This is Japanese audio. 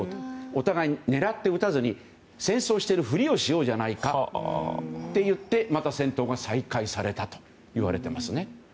お互い狙って撃たずに戦争しているふりをしようじゃないかと言ってまた戦闘が再開されたと言われています。